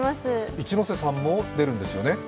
一ノ瀬さんも出るんですよね？